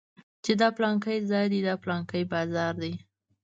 چې دا پلانکى ځاى دى دا پلانکى بازار دى.